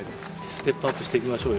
ステップアップしていきましょうよ